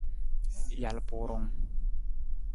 Jalpurung.